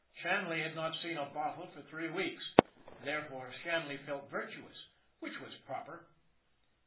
Shanley had not seen a bottle for three weeks. Therefore Shanley felt virtuous, which was proper.